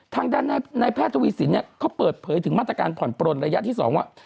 ทางด้านนายแพทย์ทวีสินเขาเปิดเผยถึงมาตรการผ่อนปลนระยะที่๒ว่า